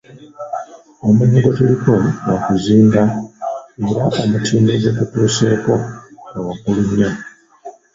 Omulimu gwetuliko gwa kuzimba era omutindo gwe tutuuseeko gwa waggulu nnyo.